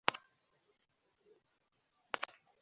Urumuri yo mu murenge we Ndube,